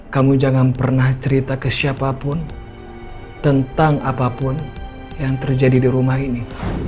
kamu jangan pernah cerita ke siapapun tentang apapun yang terjadi di rumah ini